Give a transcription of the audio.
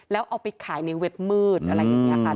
แล้วเอาไปขายในเว็บมืดอะไรอย่างนี้ค่ะ